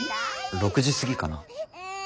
６時過ぎかな。